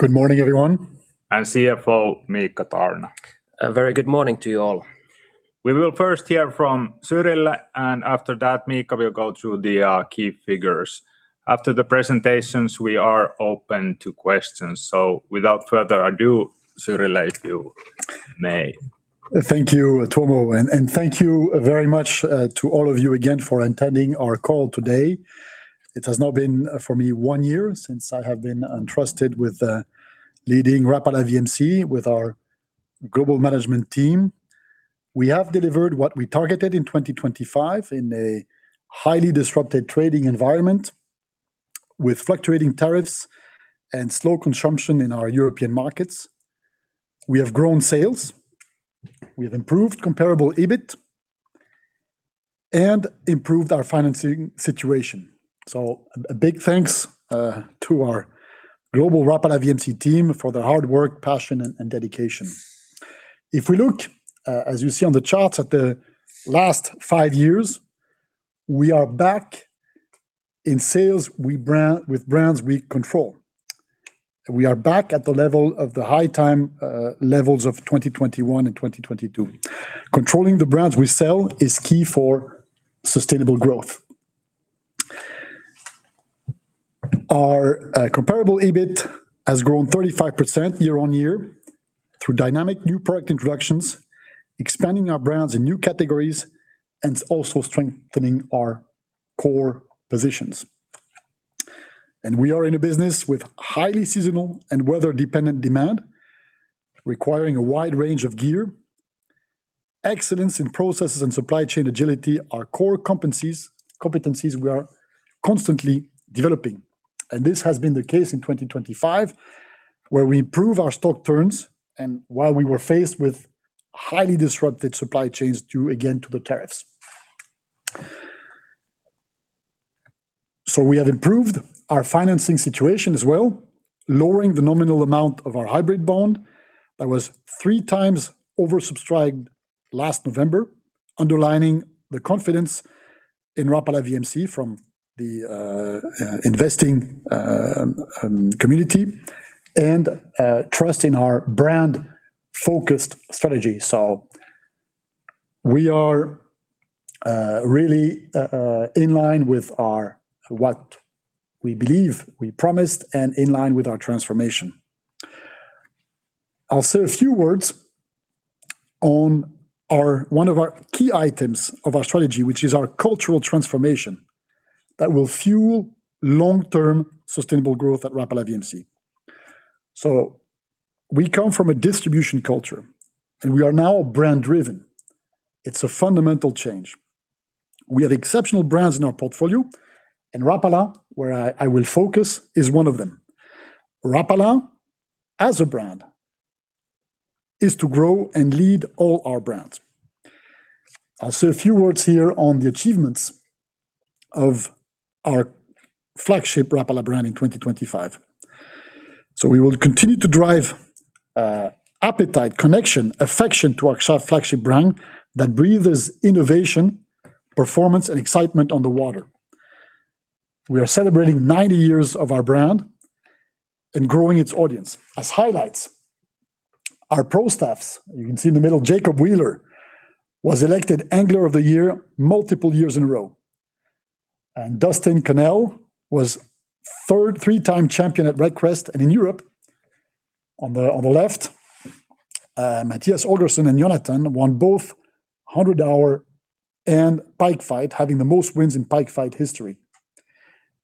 Good morning, everyone. CFO Miikka Tarna. A very good morning to you all. We will first hear from Cyrille, and after that, Miikka will go through the key figures. After the presentations, we are open to questions. Without further ado, Cyrille, if you may. Thank you, Tuomo, and thank you very much to all of you again for attending our call today. It has now been for me one year since I have been entrusted with leading Rapala VMC with our global management team. We have delivered what we targeted in 2025 in a highly disrupted trading environment with fluctuating tariffs and slow consumption in our European markets. We have grown sales. We have improved comparable EBIT and improved our financing situation. A big thanks to our global Rapala VMC team for their hard work, passion, and dedication. If we look, as you see on the charts at the last five years, we are back in sales with brands we control. We are back at the level of the high time levels of 2021 and 2022. Controlling the brands we sell is key for sustainable growth. Our comparable EBIT has grown 35% year-on-year through dynamic new product introductions, expanding our brands in new categories, and also strengthening our core positions. We are in a business with highly seasonal and weather-dependent demand, requiring a wide range of gear. Excellence in processes and supply chain agility are core competencies we are constantly developing. This has been the case in 2025, where we improve our stock turns and while we were faced with highly disrupted supply chains due again to the tariffs. We have improved our financing situation as well, lowering the nominal amount of our hybrid bond that was 3x oversubscribed last November, underlining the confidence in Rapala VMC from the investing community and trust in our brand-focused strategy. We are really in line with what we believe we promised and in line with our transformation. I'll say a few words on one of our key items of our strategy, which is our cultural transformation that will fuel long-term sustainable growth at Rapala VMC. We come from a distribution culture, and we are now brand-driven. It's a fundamental change. We have exceptional brands in our portfolio, and Rapala, where I will focus, is one of them. Rapala as a brand is to grow and lead all our brands. I'll say a few words here on the achievements of our flagship Rapala brand in 2025. We will continue to drive appetite, connection, affection to our flagship brand that breathes innovation, performance, and excitement on the water. We are celebrating 90 years of our brand and growing its audience. As highlights, our pro staff, you can see in the middle, Jacob Wheeler, was elected Angler of the Year multiple years in a row. Dustin Connell was third, three-time champion at Redcrest and in Europe. On the left, Mathias Holgersson and Jonatan won both 100 Hour and Pike Fight, having the most wins in Pike Fight history.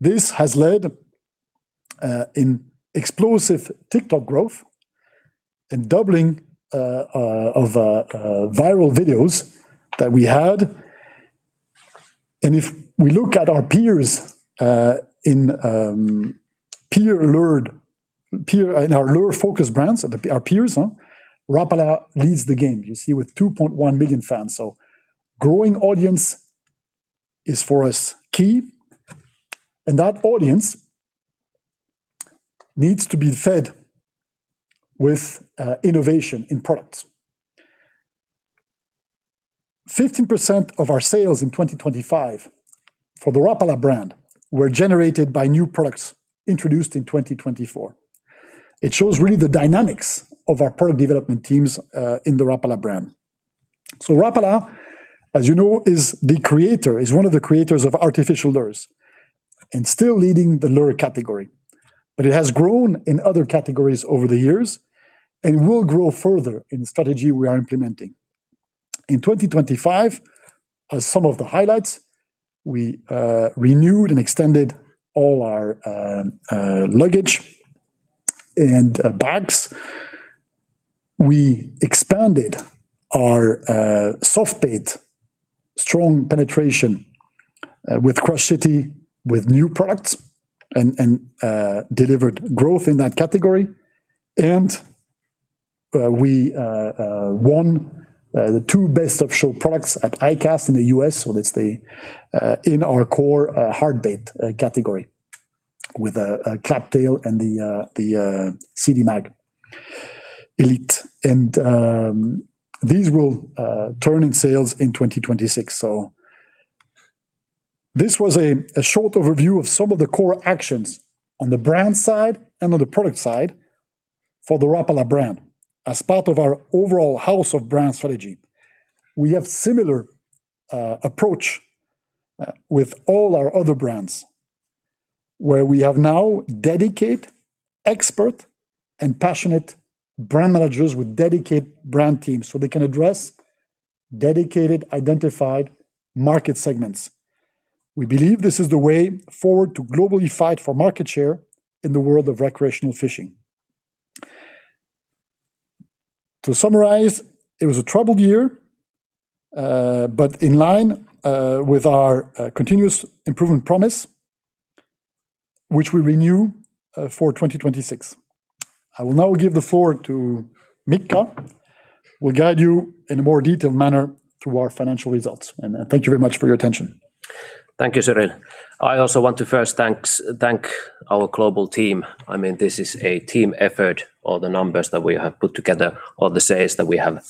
This has led to explosive TikTok growth and doubling of viral videos that we had. If we look at our peers in our lure-focused brands, our peers, Rapala leads the game, you see, with 2.1 million fans. Growing audience is for us key, and that audience needs to be fed with innovation in products. 15% of our sales in 2025 for the Rapala brand were generated by new products introduced in 2024. It shows really the dynamics of our product development teams in the Rapala brand. Rapala, as you know, is the creator, is one of the creators of artificial lures and still leading the lure category. It has grown in other categories over the years and will grow further in strategy we are implementing. In 2025, as some of the highlights, we renewed and extended all our luggage and bags. We expanded our soft bait strong penetration with CrushCity with new products and delivered growth in that category. We won the two Best of Show products at ICAST in the U.S. That's the in our core hard bait category with ClapTail and the Countdown Mag Elite. These will turn into sales in 2026. This was a short overview of some of the core actions on the brand side and on the product side for the Rapala brand as part of our overall house of brands strategy. We have similar approach with all our other brands, where we have now dedicated expert and passionate brand managers with dedicated brand teams so they can address dedicated identified market segments. We believe this is the way forward to globally fight for market share in the world of recreational fishing. To summarize, it was a troubled year but in line with our continuous improvement promise, which we renew for 2026. I will now give the floor to Miikka, who will guide you in a more detailed manner through our financial results. Thank you very much for your attention. Thank you, Cyrille. I also want to first thank our global team. I mean, this is a team effort, all the numbers that we have put together, all the sales that we have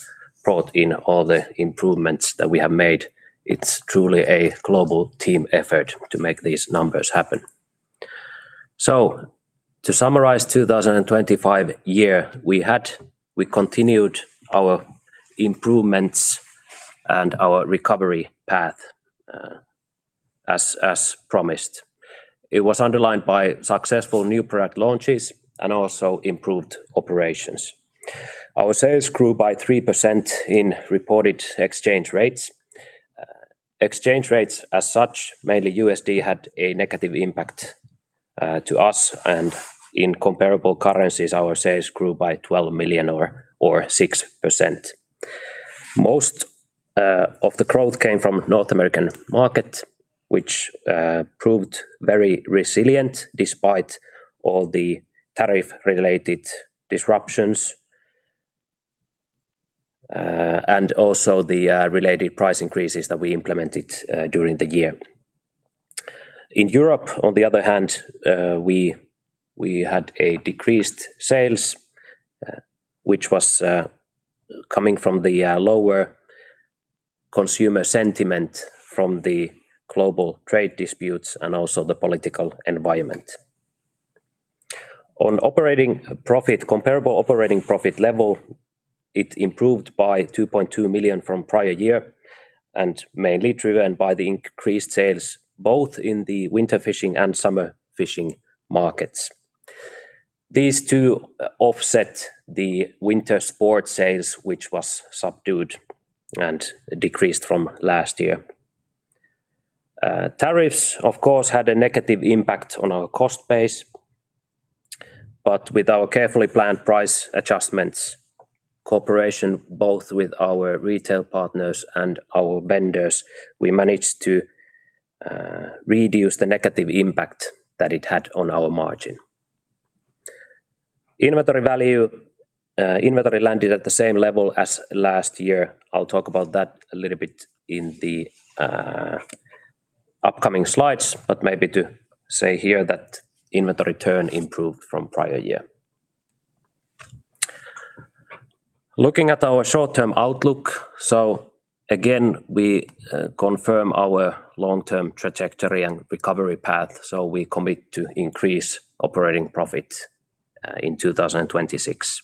brought in, all the improvements that we have made. It's truly a global team effort to make these numbers happen. To summarize 2025 year, we continued our improvements and our recovery path as promised. It was underlined by successful new product launches and also improved operations. Our sales grew by 3% in reported exchange rates. Exchange rates as such, mainly USD, had a negative impact to us. In comparable currencies, our sales grew by 12 million or 6%. Most of the growth came from North American market, which proved very resilient despite all the tariff-related disruptions, and also the related price increases that we implemented during the year. In Europe, on the other hand, we had a decreased sales, which was coming from the lower consumer sentiment from the global trade disputes and also the political environment. On operating profit, comparable operating profit level, it improved by 2.2 million from prior year and mainly driven by the increased sales both in the winter fishing and summer fishing markets. These two offset the winter sport sales, which was subdued and decreased from last year. Tariffs of course had a negative impact on our cost base. With our carefully planned price adjustments, cooperation both with our retail partners and our vendors, we managed to reduce the negative impact that it had on our margin. Inventory value, inventory landed at the same level as last year. I'll talk about that a little bit in the upcoming slides, but maybe to say here that inventory turn improved from prior year. Looking at our short-term outlook, so again, we confirm our long-term trajectory and recovery path, so we commit to increase operating profit in 2026.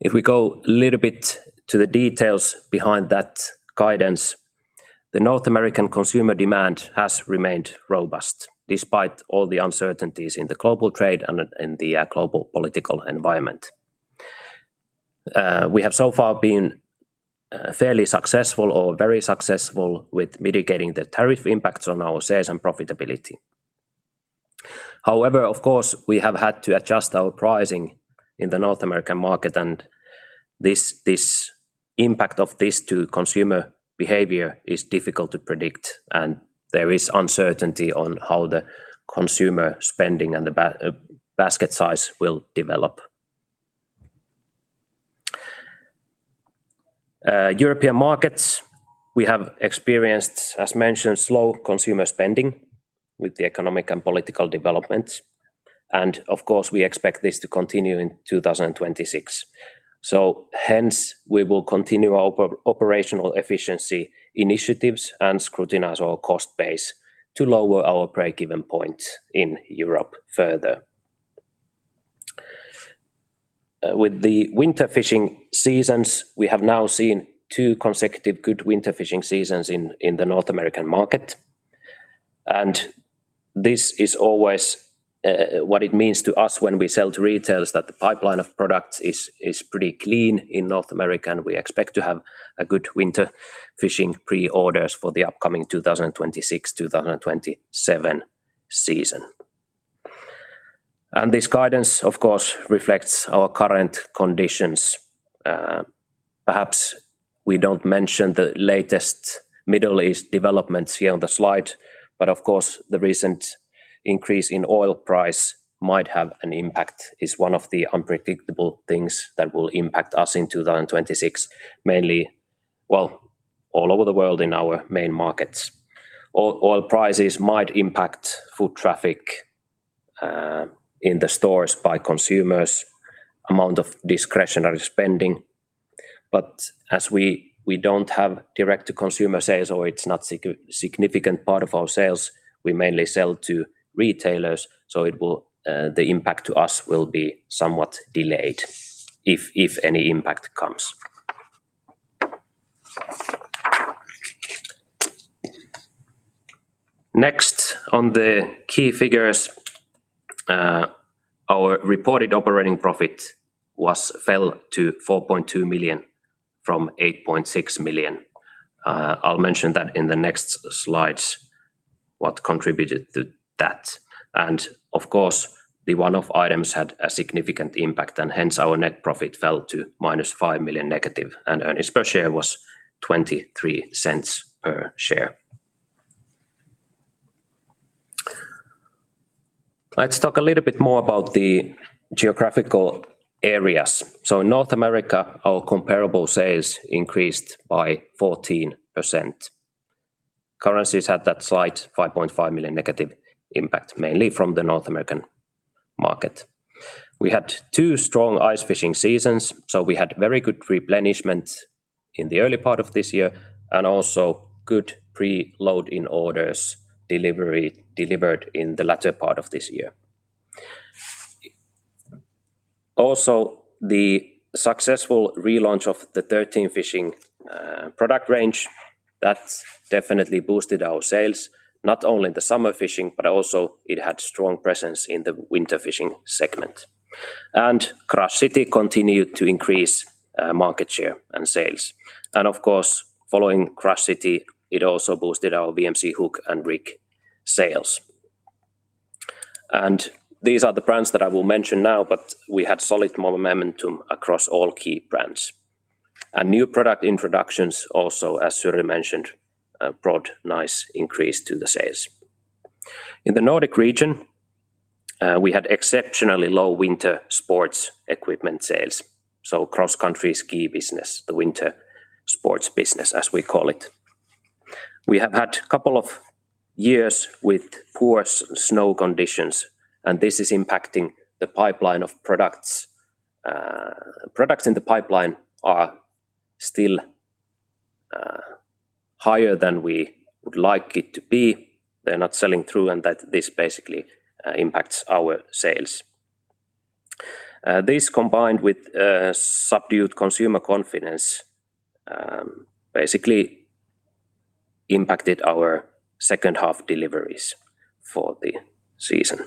If we go a little bit to the details behind that guidance, the North American consumer demand has remained robust despite all the uncertainties in the global trade and in the global political environment. We have so far been fairly successful or very successful with mitigating the tariff impacts on our sales and profitability. However, of course, we have had to adjust our pricing in the North American market, and this impact of this to consumer behavior is difficult to predict, and there is uncertainty on how the consumer spending and the basket size will develop. European markets, we have experienced, as mentioned, slow consumer spending with the economic and political developments, and of course, we expect this to continue in 2026. Hence, we will continue our operational efficiency initiatives and scrutinize our cost base to lower our break-even point in Europe further. With the winter fishing seasons, we have now seen two consecutive good winter fishing seasons in the North American market. This is always what it means to us when we sell to retailers, that the pipeline of products is pretty clean in North America, and we expect to have a good winter fishing pre-orders for the upcoming 2026, 2027 season. This guidance, of course, reflects our current conditions. Perhaps we don't mention the latest Middle East developments here on the slide, but of course, the recent increase in oil price might have an impact, is one of the unpredictable things that will impact us in 2026, mainly, well, all over the world in our main markets. Oil prices might impact foot traffic in the stores by consumers, amount of discretionary spending. As we don't have direct to consumer sales or it's not significant part of our sales, we mainly sell to retailers, so it will, the impact to us will be somewhat delayed if any impact comes. Next on the key figures, our reported operating profit fell to 4.2 million from 8.6 million. I'll mention that in the next slides what contributed to that. Of course, the one-off items had a significant impact, and hence our net profit fell to -5 million, and earnings per share was 0.23. Let's talk a little bit more about the geographical areas. In North America, our comparable sales increased by 14%. Currencies had that slight -5.5 million negative impact, mainly from the North American market. We had two strong ice fishing seasons, so we had very good replenishment in the early part of this year and also good pre-load in orders delivered in the latter part of this year. The successful relaunch of the 13 Fishing product range, that's definitely boosted our sales, not only in the summer fishing, but also it had strong presence in the winter fishing segment. CrushCity continued to increase market share and sales. Of course, following CrushCity, it also boosted our VMC hook and rig sales. These are the brands that I will mention now, but we had solid momentum across all key brands. New product introductions also, as Cyrille mentioned, brought nice increase to the sales. In the Nordic region, we had exceptionally low winter sports equipment sales, so cross-country ski business, the winter sports business, as we call it. We have had couple of years with poor snow conditions, and this is impacting the pipeline of products. Products in the pipeline are still higher than we would like it to be. They're not selling through, and this basically impacts our sales. This combined with subdued consumer confidence basically impacted our second half deliveries for the season.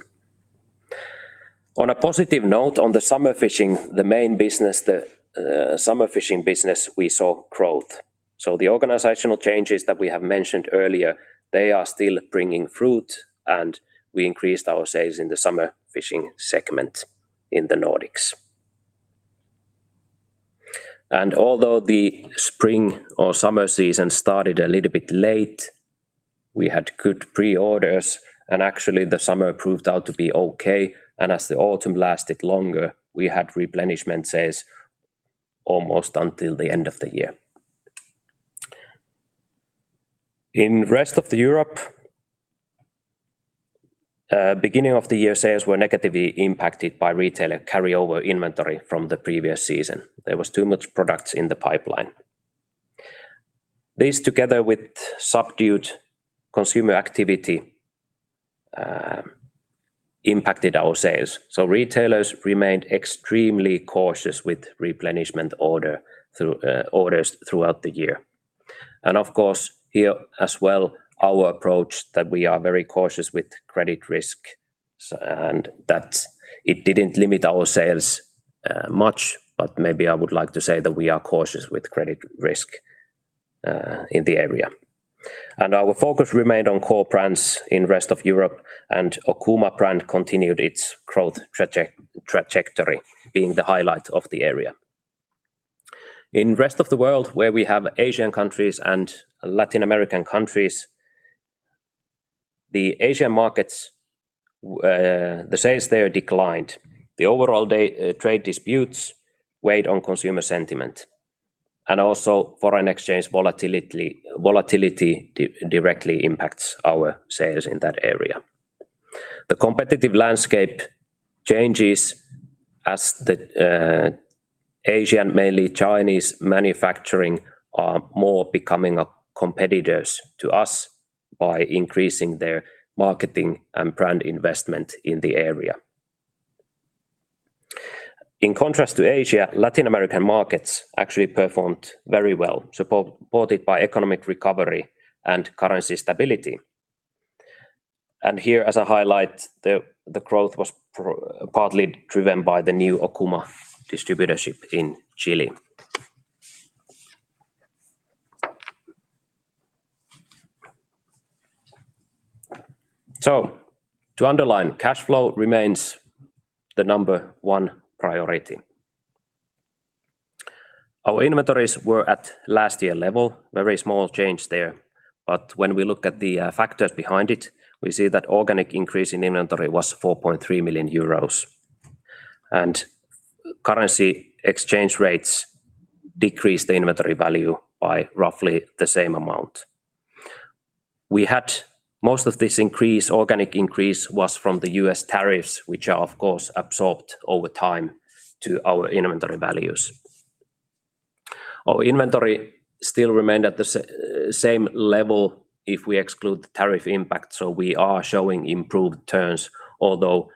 On a positive note, on the summer fishing, the main business, the summer fishing business, we saw growth. The organizational changes that we have mentioned earlier, they are still bearing fruit, and we increased our sales in the summer fishing segment in the Nordics. Although the spring or summer season started a little bit late, we had good pre-orders, and actually the summer proved out to be okay. As the autumn lasted longer, we had replenishment sales almost until the end of the year. In the rest of Europe, beginning of the year, sales were negatively impacted by retailer carryover inventory from the previous season. There was too much products in the pipeline. This together with subdued consumer activity impacted our sales. Retailers remained extremely cautious with replenishment orders throughout the year. Of course, here as well, our approach that we are very cautious with credit risk and that it didn't limit our sales much, but maybe I would like to say that we are cautious with credit risk in the area. Our focus remained on core brands in rest of Europe and Okuma brand continued its growth trajectory being the highlight of the area. In rest of the world where we have Asian countries and Latin American countries, the Asian markets, the sales there declined. The overall trade disputes weighed on consumer sentiment, and also foreign exchange volatility directly impacts our sales in that area. The competitive landscape changes as the Asian, mainly Chinese manufacturing, are more becoming competitors to us by increasing their marketing and brand investment in the area. In contrast to Asia, Latin American markets actually performed very well, supported by economic recovery and currency stability. Here as a highlight, the growth was partly driven by the new Okuma distributorship in Chile. To underline, cash flow remains the number one priority. Our inventories were at last year level, very small change there. When we look at the factors behind it, we see that organic increase in inventory was 4.3 million euros. Currency exchange rates decrease the inventory value by roughly the same amount. We had most of this increase, organic increase was from the U.S. tariffs, which are of course absorbed over time to our inventory values. Our inventory still remained at the same level if we exclude the tariff impact, so we are showing improved terms, although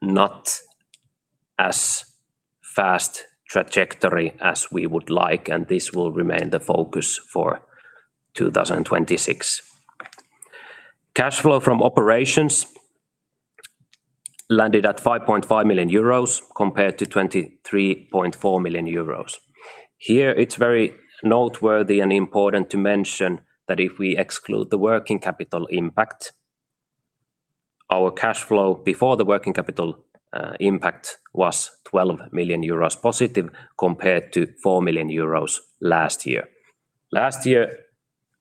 not as fast trajectory as we would like, and this will remain the focus for 2026. Cash flow from operations landed at 5.5 million euros compared to 23.4 million euros. It's very noteworthy and important to mention that if we ex clude the working capital impact, our cash flow before the working capital impact was 12 million euros positive compared to 4 million euros last year. Last year,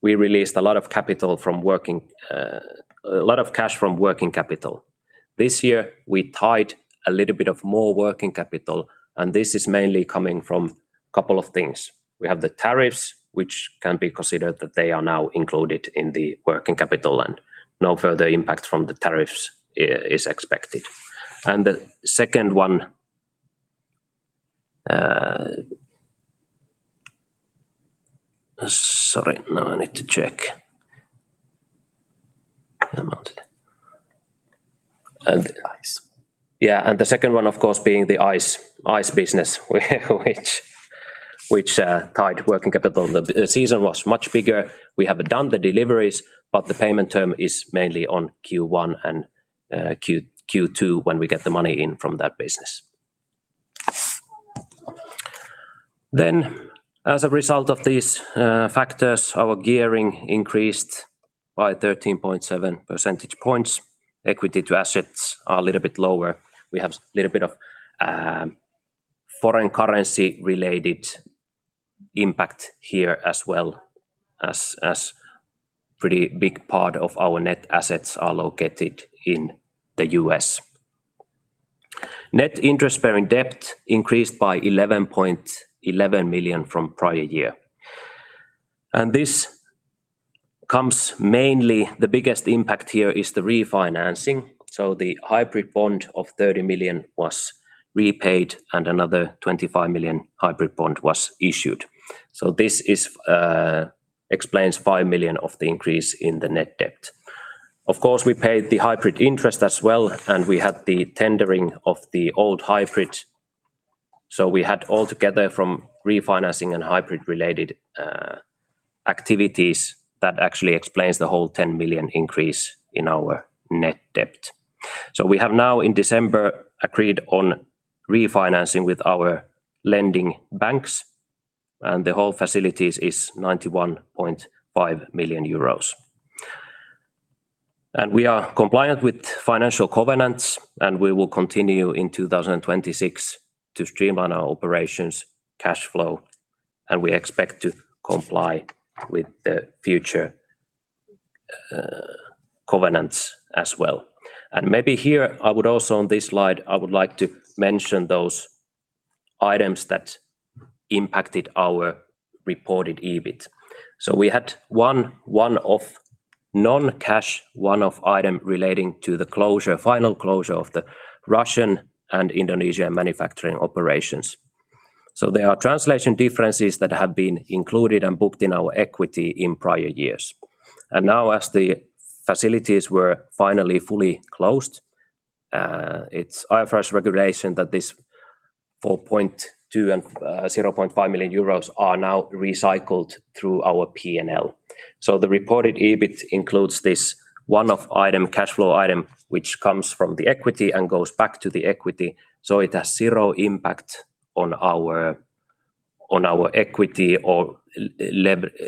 we released a lot of capital from working, a lot of cash from working capital. This year we tied a little bit more working capital, and this is mainly coming from a couple of things. We have the tariffs, which can be considered that they are now included in the working capital and no further impact from the tariffs is expected. The second one, sorry. No, I need to check the amount. Ice. Yeah. The second one, of course, being the ice business, which tied working capital. The season was much bigger. We have done the deliveries, but the payment term is mainly on Q1 and Q2 when we get the money in from that business. As a result of these factors, our gearing increased by 13.7 percentage points. Equity to assets are a little bit lower. We have little bit of foreign currency related impact here as well as pretty big part of our net assets are located in the U.S. Net interest-bearing debt increased by 11.11 million from prior year, and this comes mainly. The biggest impact here is the refinancing. The hybrid bond of 30 million was repaid and another 25 million hybrid bond was issued. This explains 5 million of the increase in the net debt. Of course, we paid the hybrid interest as well, and we had the tendering of the old hybrid. We had altogether from refinancing and hybrid-related activities that actually explains the whole 10 million increase in our net debt. We have now in December agreed on refinancing with our lending banks, and the whole facilities is 91.5 million euros. We are compliant with financial covenants, and we will continue in 2026 to streamline our operations cash flow, and we expect to comply with the future covenants as well. Maybe here I would also, on this slide, I would like to mention those items that impacted our reported EBIT. We had one-off non-cash item relating to the closure, final closure of the Russian and Indonesian manufacturing operations. There are translation differences that have been included and booked in our equity in prior years. Now as the facilities were finally fully closed, it's IFRS regulation that this 4.2 million and 0.5 million euros are now recycled through our P&L. The reported EBIT includes this one-off item, non-cash item, which comes from the equity and goes back to the equity, so it has zero impact on our equity or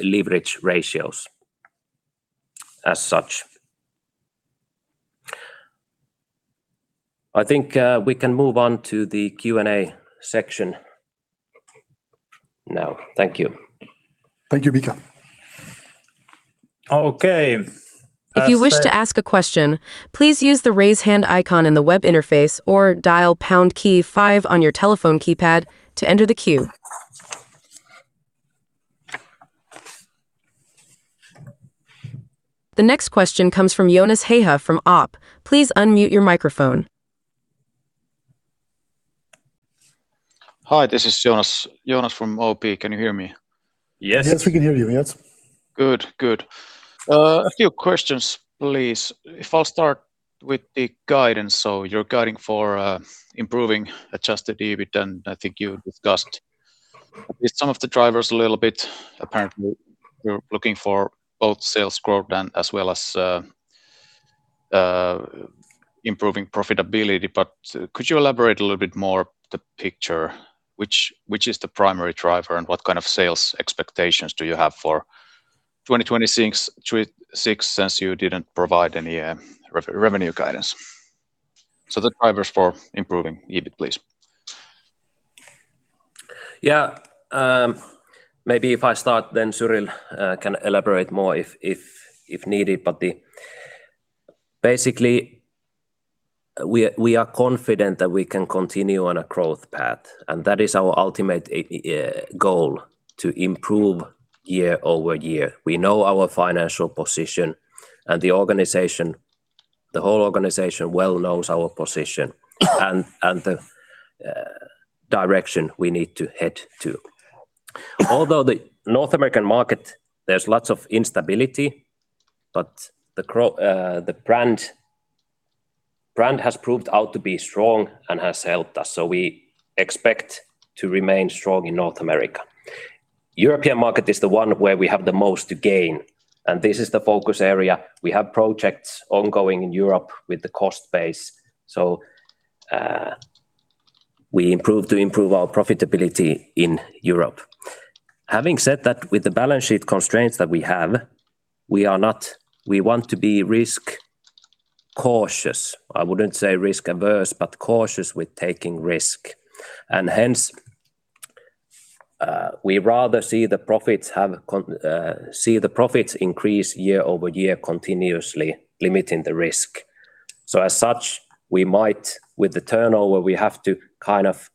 leverage ratios as such. I think we can move on to the Q&A section now. Thank you. Thank you, Miikka. Okay. If you wish to ask a question, please use the raise hand icon in the web interface or dial pound key five on your telephone keypad to enter the queue. The next question comes from Joonas Häyhä from OP. Please unmute your microphone. Hi, this is Joonas. Joonas from OP. Can you hear me? Yes. Yes, we can hear you. Yes. Good. A few questions, please. If I'll start with the guidance. You're guiding for improving adjusted EBIT, and I think you discussed with some of the drivers a little bit. Apparently, you're looking for both sales growth and as well as improving profitability. Could you elaborate a little bit more the picture, which is the primary driver and what kind of sales expectations do you have for 2026, since you didn't provide any revenue guidance? The drivers for improving EBIT, please. Yeah. Maybe if I start then Cyrille can elaborate more if needed. Basically, we are confident that we can continue on a growth path, and that is our ultimate goal to improve year-over-year. We know our financial position and the organization well. The whole organization knows our position and the direction we need to head to. Although the North American market, there's lots of instability, but the brand has proved out to be strong and has helped us. We expect to remain strong in North America. The European market is the one where we have the most to gain, and this is the focus area. We have projects ongoing in Europe with the cost base, so we improve our profitability in Europe. Having said that, with the balance sheet constraints that we have, we are not. We want to be risk cautious. I wouldn't say risk-averse, but cautious with taking risk. Hence, we rather see the profits increase year-over-year continuously limiting the risk. As such, we might. With the turnover, we have to kind of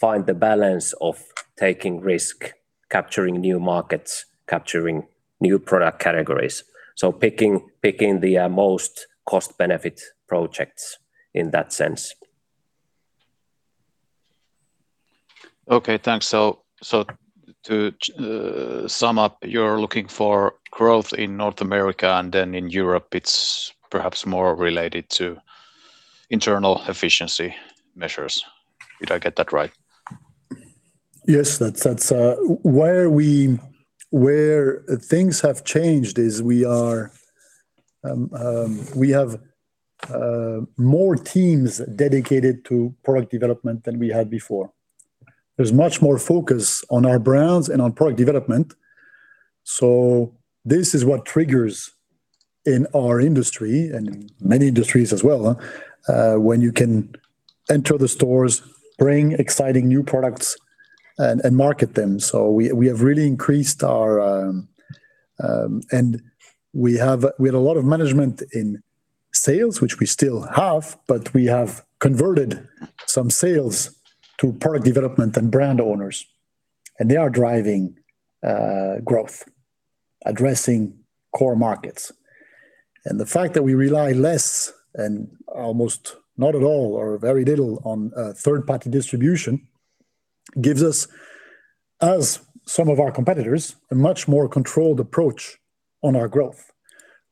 find the balance of taking risk, capturing new markets, capturing new product categories. Picking the most cost-benefit projects in that sense. Okay, thanks. To sum up, you're looking for growth in North America, and then in Europe it's perhaps more related to internal efficiency measures. Did I get that right? Yes. That's where things have changed is we have more teams dedicated to product development than we had before. There's much more focus on our brands and on product development. This is what triggers in our industry and many industries as well, when you can enter the stores, bring exciting new products and market them. We have really increased our. We had a lot of management in sales, which we still have, but we have converted some sales to product development and brand owners, and they are driving growth, addressing core markets. The fact that we rely less and almost not at all or very little on third-party distribution gives us, as some of our competitors, a much more controlled approach on our growth.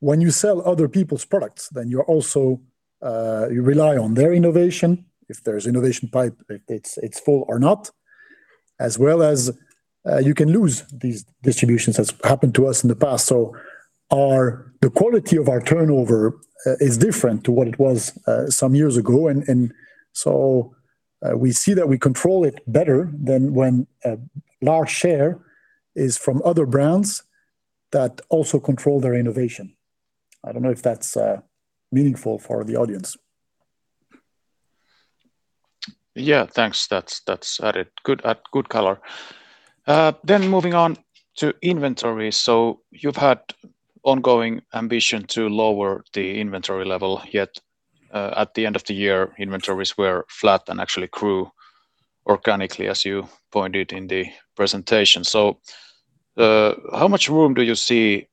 When you sell other people's products, then you're also you rely on their innovation. If there's innovation pipeline, it's full or not. As well as you can lose these distributions, has happened to us in the past. The quality of our turnover is different to what it was some years ago. We see that we control it better than when a large share is from other brands that also control their innovation. I don't know if that's meaningful for the audience. Yeah, thanks. That's added good color. Moving on to inventory. You've had ongoing ambition to lower the inventory level, yet at the end of the year, inventories were flat and actually grew organically, as you pointed in the presentation. How much room do you see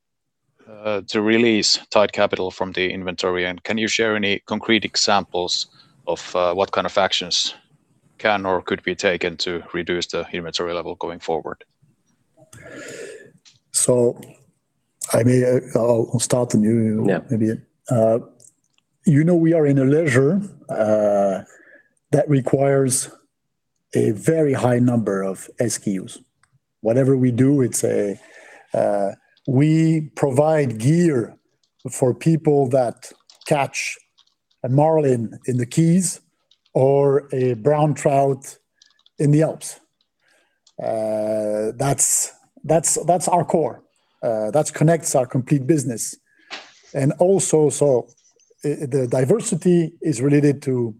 to release tied capital from the inventory? Can you share any concrete examples of what kind of actions can or could be taken to reduce the inventory level going forward? I'll start and you- Yeah. You know, we are in a leisure that requires a very high number of SKUs. Whatever we do, it's a. We provide gear for people that catch a marlin in the Keys or a brown trout in the Alps. That's our core. That connects our complete business. The diversity is related to,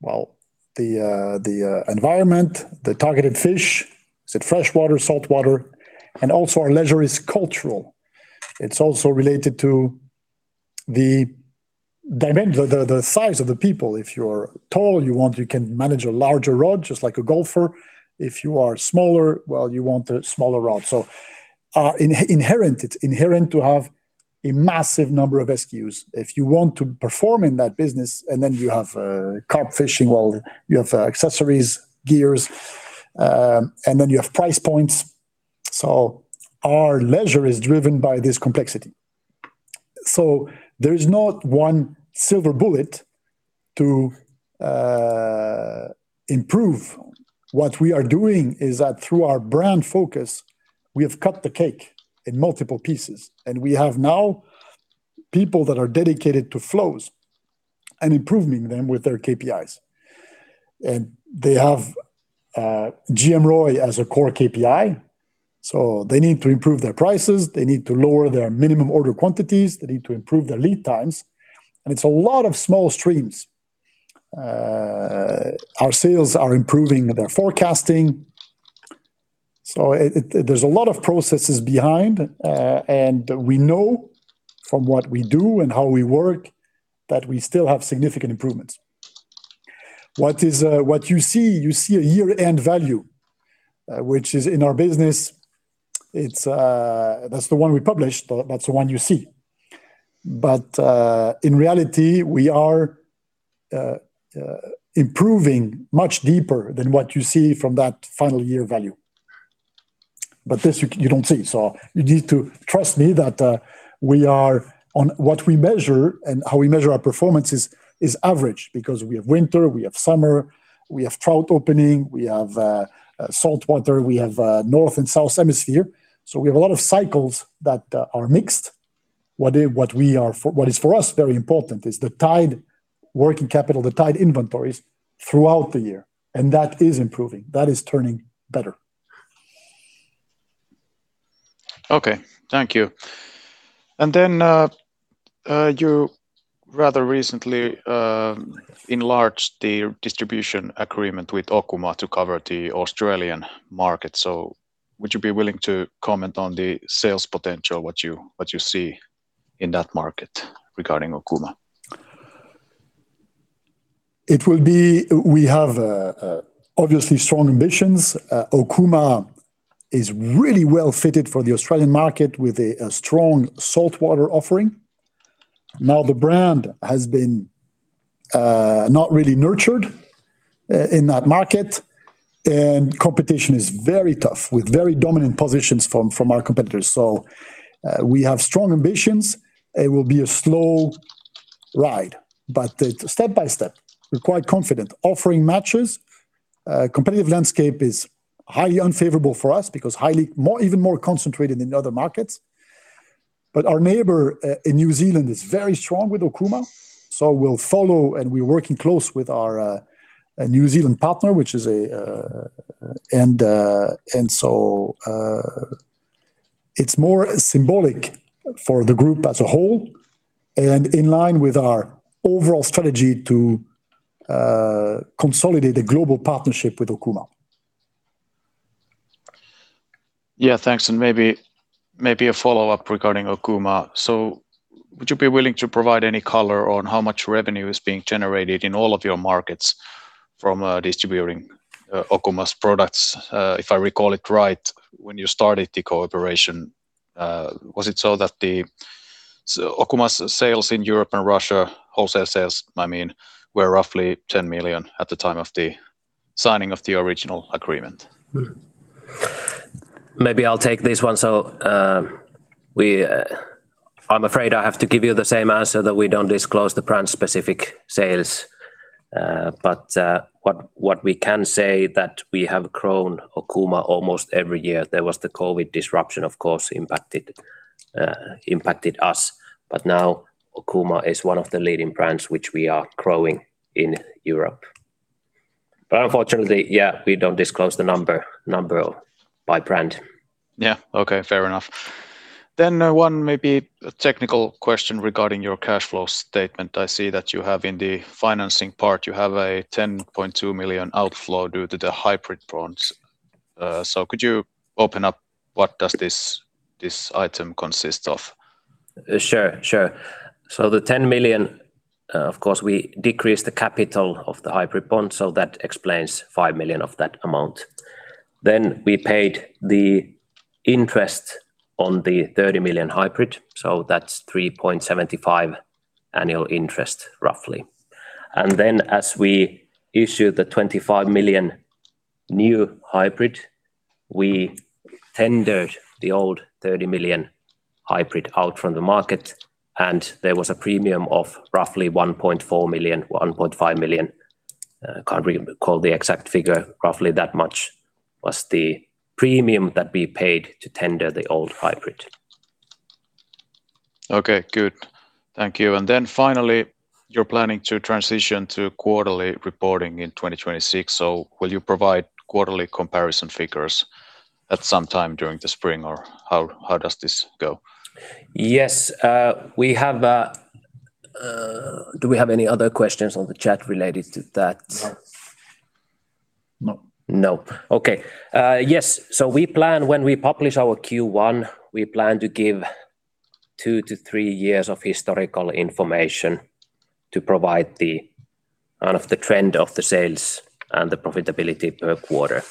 well, the environment, the targeted fish. Is it freshwater, saltwater? Our leisure is cultural. It's also related to the dimension, the size of the people. If you're tall, you can manage a larger rod just like a golfer. If you are smaller, you want a smaller rod. It's inherent to have a massive number of SKUs if you want to perform in that business. Then you have carp fishing. Well, you have accessories, gears, and then you have price points. Our leisure is driven by this complexity. There is not one silver bullet to improve. What we are doing is that through our brand focus, we have cut the cake in multiple pieces, and we have now people that are dedicated to flows and improving them with their KPIs. They have GMROI as a core KPI. They need to improve their prices, they need to lower their minimum order quantities, they need to improve their lead times. It's a lot of small streams. Our sales are improving their forecasting. There's a lot of processes behind, and we know from what we do and how we work that we still have significant improvements. What is. What you see, a year-end value, which is in our business. It's the one we published, but that's the one you see. In reality, we are improving much deeper than what you see from that year-end value. This you don't see, so you need to trust me. What we measure and how we measure our performance is average because we have winter, we have summer, we have trout opening, we have saltwater, we have north and south hemisphere. We have a lot of cycles that are mixed. What is for us very important is the tied working capital, the tied inventories throughout the year, and that is improving. That is turning better. Okay. Thank you. You rather recently enlarged the distribution agreement with Okuma to cover the Australian market. Would you be willing to comment on the sales potential, what you see in that market regarding Okuma? It will be. We have obviously strong ambitions. Okuma is really well-fitted for the Australian market with a strong saltwater offering. Now, the brand has been not really nurtured in that market, and competition is very tough with very dominant positions from our competitors. We have strong ambitions. It will be a slow ride, but step by step, we're quite confident. Offering matches competitive landscape is highly unfavorable for us because more even more concentrated than other markets. Our neighbor in New Zealand is very strong with Okuma, so we'll follow and we're working closely with our New Zealand partner. It's more symbolic for the group as a whole and in line with our overall strategy to consolidate a global partnership with Okuma. Yeah. Thanks. Maybe a follow-up regarding Okuma. Would you be willing to provide any color on how much revenue is being generated in all of your markets from distributing Okuma's products? If I recall it right, when you started the cooperation, was it so that Okuma's sales in Europe and Russia, wholesale sales, I mean, were roughly 10 million at the time of the signing of the original agreement. Hmm. Maybe I'll take this one. I'm afraid I have to give you the same answer that we don't disclose the brand-specific sales. What we can say that we have grown Okuma almost every year. There was the COVID disruption, of course, impacted us, but now Okuma is one of the leading brands which we are growing in Europe. Unfortunately, yeah, we don't disclose the number by brand. Yeah. Okay. Fair enough. One maybe technical question regarding your cash flow statement. I see that in the financing part, you have a 10.2 million outflow due to the hybrid bonds. So could you open up what does this item consist of? Sure. The 10 million, of course, we decreased the capital of the hybrid bond, so that explains 5 million of that amount. We paid the interest on the 30 million hybrid, so that's 3.75 million annual interest roughly. As we issued the 25 million new hybrid, we tendered the old 30 million hybrid out from the market, and there was a premium of roughly 1.4 million, 1.5 million. Can't recall the exact figure. Roughly that much was the premium that we paid to tender the old hybrid. Okay. Good. Thank you. Finally, you're planning to transition to quarterly reporting in 2026. Will you provide quarterly comparison figures at some time during the spring or how does this go? Yes. Do we have any other questions on the chat related to that? No. No. No. Okay. Yes. We plan. When we publish our Q1, we plan to give two to three years of historical information to provide the kind of the trend of the sales and the profitability per quarter.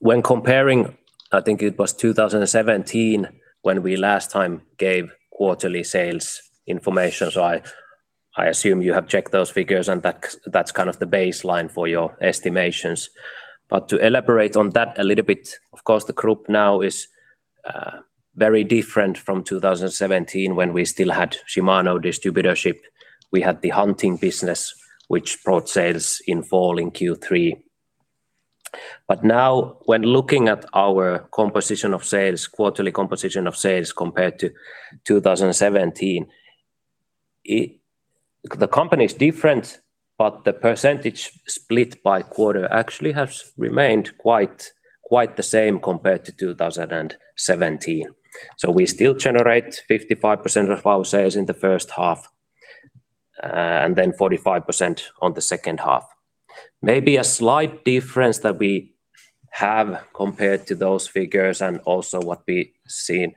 When comparing, I think it was 2017 when we last time gave quarterly sales information. I assume you have checked those figures and that's kind of the baseline for your estimations. To elaborate on that a little bit, of course, the group now is very different from 2017 when we still had Shimano distributorship. We had the hunting business which brought sales in fall in Q3. Now when looking at our composition of sales, quarterly composition of sales compared to 2017. The company is different, but the percentage split by quarter actually has remained quite the same compared to 2017. We still generate 55% of our sales in the first half, and then 45% on the second half. Maybe a slight difference that we have compared to those figures and also what we've seen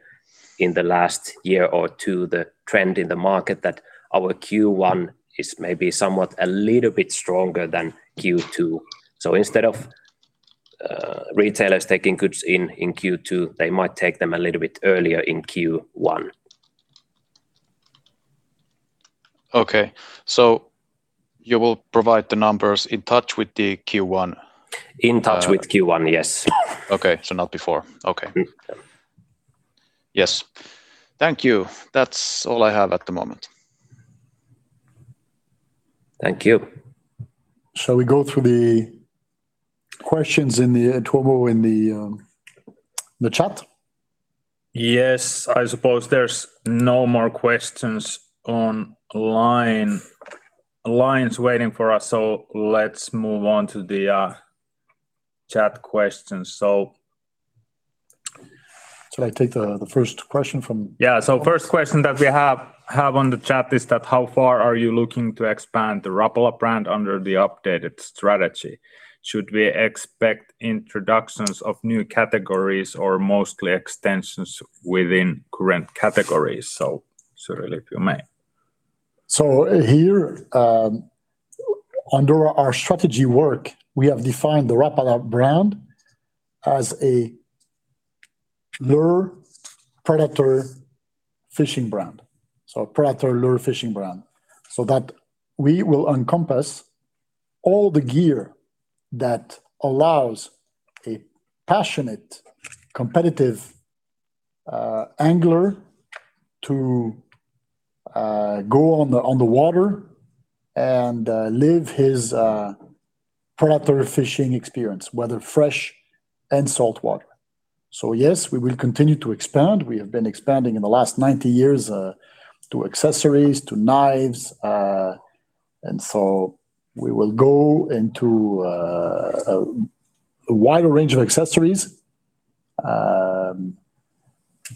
in the last year or two, the trend in the market that our Q1 is maybe somewhat a little bit stronger than Q2. Instead of retailers taking goods in Q2, they might take them a little bit earlier in Q1. Okay. You will provide the numbers in the Q1. In touch with Q1, yes. Okay. Not before. Okay. Yeah. Yes. Thank you. That's all I have at the moment. Thank you. Shall we go through the questions, Tuomo, in the chat? Yes. I suppose there's no more questions online. Line's waiting for us, so let's move on to the chat questions. Shall I take the first question from? Yeah. First question that we have on the chat is that how far are you looking to expand the Rapala brand under the updated strategy? Should we expect introductions of new categories or mostly extensions within current categories? Cyrille, if you may. Here, under our strategy work, we have defined the Rapala brand as a lure predator fishing brand. A predator lure fishing brand. That we will encompass all the gear that allows a passionate, competitive, angler to go on the water and live his predator fishing experience, whether freshwater and saltwater. Yes, we will continue to expand. We have been expanding in the last 90 years to accessories, to knives. We will go into a wider range of accessories.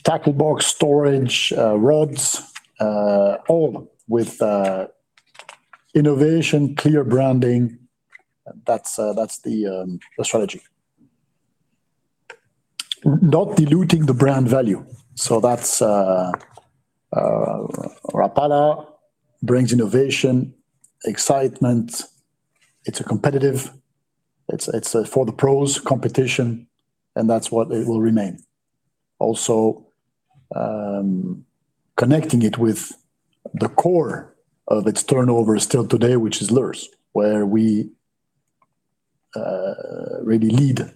Tackle box storage, rods, all with innovation, clear branding. That's the strategy. Not diluting the brand value. That's Rapala brings innovation, excitement. It's competitive. It's for the pros competition, and that's what it will remain. Also, connecting it with the core of its turnover still today, which is lures, where we really lead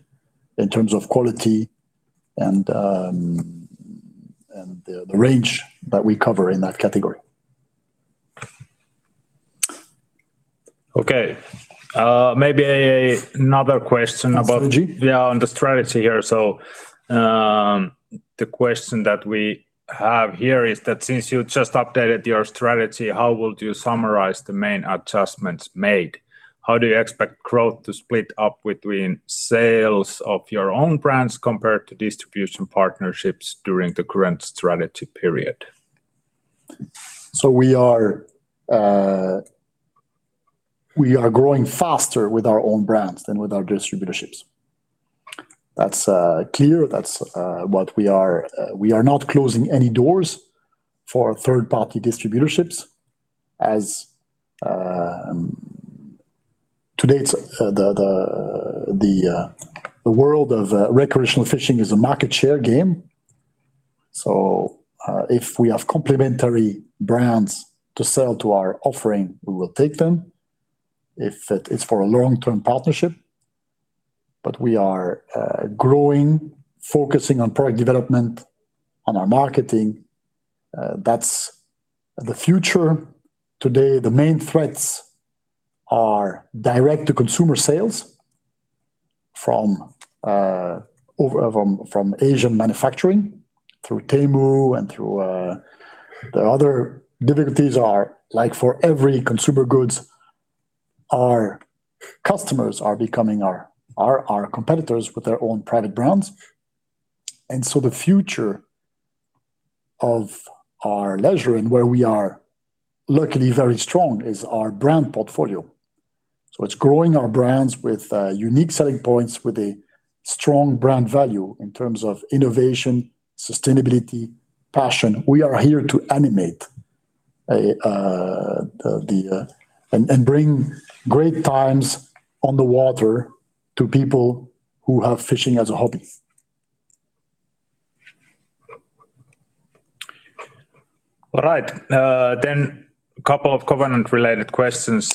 in terms of quality and the range that we cover in that category. Okay. Maybe another question about The strategy? Yeah, on the strategy here. The question that we have here is that since you just updated your strategy, how would you summarize the main adjustments made? How do you expect growth to split up between sales of your own brands compared to distribution partnerships during the current strategy period? We are growing faster with our own brands than with our distributorships. That's clear. We are not closing any doors for third-party distributorships. Today it's the world of recreational fishing is a market share game. If we have complementary brands to sell to our offering, we will take them if it is for a long-term partnership. But we are growing, focusing on product development, on our marketing. That's the future. Today, the main threats are direct-to-consumer sales from Asian manufacturing through Temu and through. The other difficulties are, like for every consumer goods, our customers are becoming our competitors with their own private brands. The future of our leisure and where we are luckily very strong is our brand portfolio. It's growing our brands with unique selling points with a strong brand value in terms of innovation, sustainability, passion. We are here to animate and bring great times on the water to people who have fishing as a hobby. All right. A couple of covenant-related questions.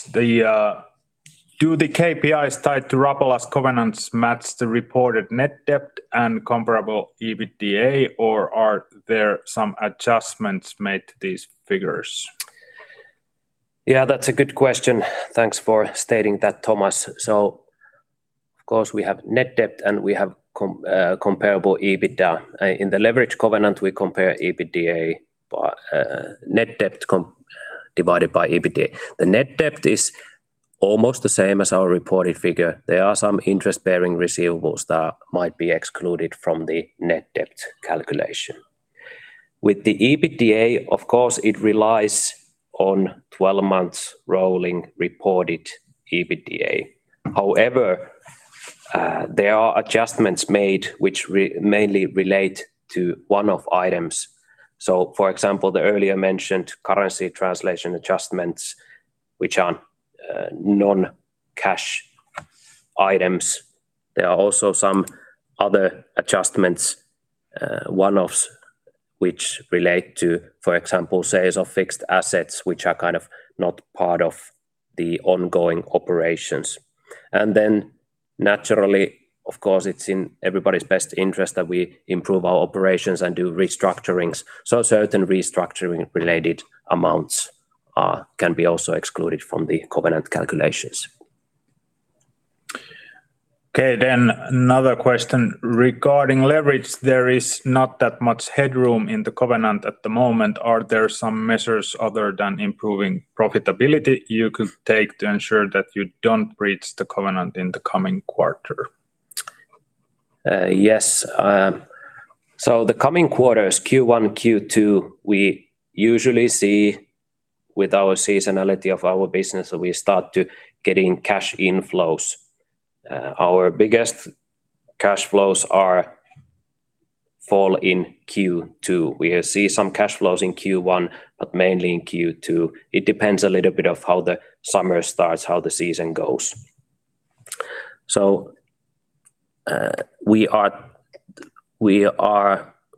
Do the KPIs tied to Rapala's covenants match the reported net debt and comparable EBITDA, or are there some adjustments made to these figures? Yeah, that's a good question. Thanks for stating that, Tuomo. Of course, we have net debt and we have comparable EBITDA. In the leverage covenant, we compare net debt divided by EBITDA. The net debt is almost the same as our reported figure. There are some interest-bearing receivables that might be excluded from the net debt calculation. With the EBITDA, of course, it relies on 12 months rolling reported EBITDA. However, there are adjustments made which mainly relate to one-off items. For example, the earlier mentioned currency translation adjustments, which are non-cash items. There are also some other adjustments, one-offs which relate to, for example, sales of fixed assets, which are kind of not part of the ongoing operations. Naturally, of course, it's in everybody's best interest that we improve our operations and do restructurings. Certain restructuring related amounts can be also excluded from the covenant calculations. Okay, another question. Regarding leverage, there is not that much headroom in the covenant at the moment. Are there some measures other than improving profitability you could take to ensure that you don't breach the covenant in the coming quarter? The coming quarters, Q1, Q2, we usually see with our seasonality of our business that we start to get cash inflows. Our biggest cash flows are in Q2. We have seen some cash flows in Q1, but mainly in Q2. It depends a little bit on how the summer starts, how the season goes.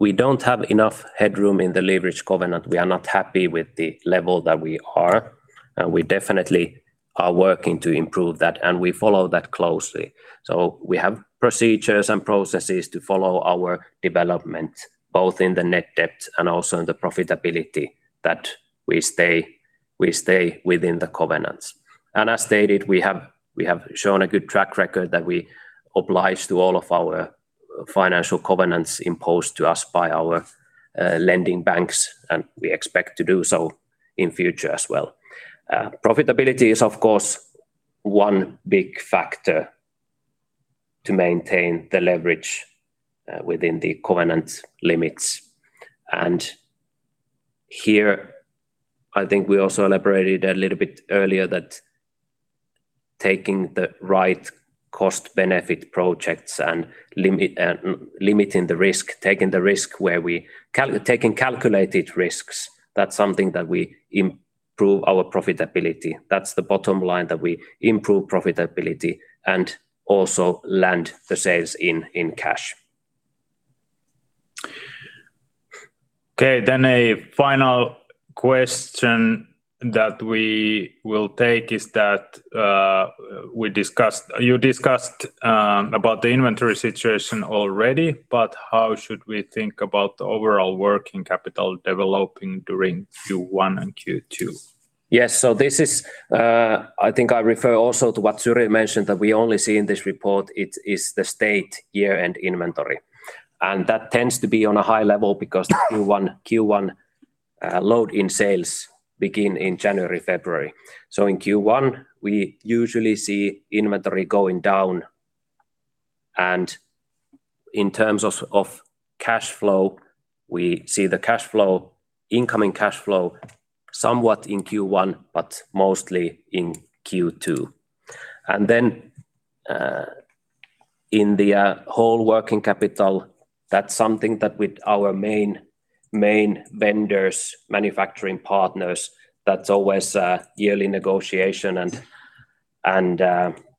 We don't have enough headroom in the leverage covenant. We are not happy with the level that we are, and we definitely are working to improve that, and we follow that closely. We have procedures and processes to follow our development, both in the net debt and also in the profitability that we stay within the covenants. As stated, we have shown a good track record that we abide by all of our financial covenants imposed on us by our lending banks, and we expect to do so in the future as well. Profitability is, of course, one big factor to maintain the leverage within the covenant limits. Here, I think we also elaborated a little bit earlier that taking the right cost-benefit projects and limiting the risk, taking calculated risks, that's something that improves our profitability. That's the bottom line, that we improve profitability and also turn the sales into cash. A final question that we will take is that, you discussed about the inventory situation already, but how should we think about the overall working capital developing during Q1 and Q2? Yes. This is, I think I refer also to what Cyrille mentioned, that we only see in this report it is the stated year-end inventory. That tends to be on a high level because the Q1 load in sales begin in January, February. In Q1, we usually see inventory going down. In terms of cash flow, we see the cash flow, incoming cash flow somewhat in Q1 but mostly in Q2. In the whole working capital, that's something that with our main vendors, manufacturing partners, that's always a yearly negotiation and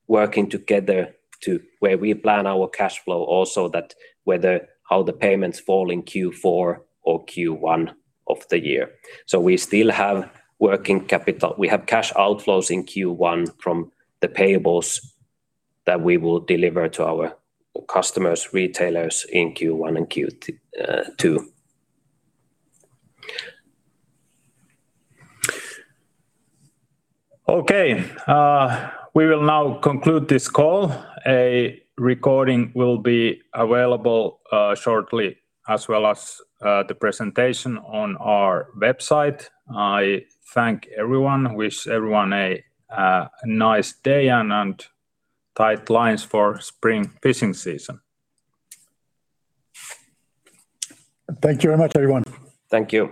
working together to where we plan our cash flow also that whether how the payments fall in Q4 or Q1 of the year. We still have working capital. We have cash outflows in Q1 from the payables that we will deliver to our customers, retailers in Q1 and Q2. Okay. We will now conclude this call. A recording will be available shortly as well as the presentation on our website. I thank everyone, wish everyone a nice day and tight lines for spring fishing season. Thank you very much, everyone. Thank you.